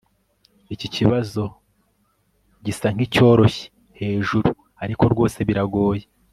iki kibazo gisa nkicyoroshye hejuru, ariko rwose biragoye